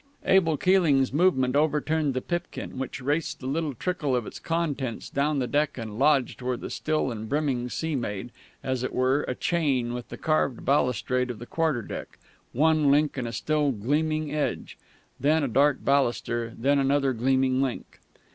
Abel Keeling's movement overturned the pipkin, which raced the little trickle of its contents down the deck and lodged where the still and brimming sea made, as it were, a chain with the carved balustrade of the quarter deck one link a still gleaming edge, then a dark baluster, and then another gleaming link.